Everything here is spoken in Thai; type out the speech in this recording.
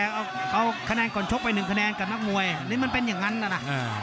เอาขนาดก่อนชกไป๑ขนาดกับนักมวยนี่มันเป็นอย่างนั้นน่ะน่ะ